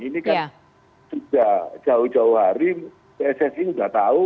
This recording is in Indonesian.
ini kan sudah jauh jauh hari pssi sudah tahu